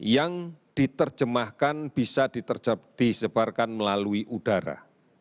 yang diterjemahkan bisa disebarkan melalui udara